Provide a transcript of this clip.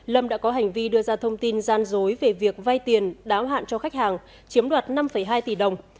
lâm đã có hành vi đưa ra thông tin gian dối về việc vay tiền đáo hạn cho khách hàng chiếm đoạt năm hai tỷ đồng